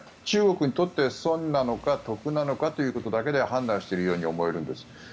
中国にとって損なのか得なのかということだけで判断しているように思えるんです。